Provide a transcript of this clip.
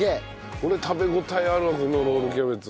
これ食べ応えあるわこのロールキャベツ。